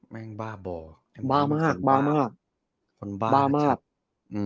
แม้งบ้าบ่อบ้ามากบ้ามาควรคนบ้าเป็นมากอืม